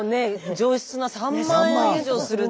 上質な３万円以上するって。